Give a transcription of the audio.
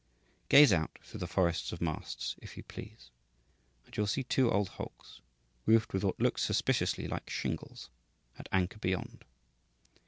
Gaze out through the forests of masts, if you please, and you will see two old hulks, roofed with what looks suspiciously like shingles, at anchor beyond.